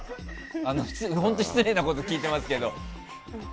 本当に失礼なことを聞いてますけど。